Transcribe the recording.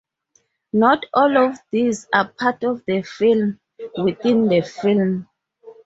Not all of these are part of the film-within-the-film.